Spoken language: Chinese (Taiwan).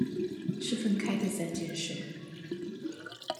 是分開的三件事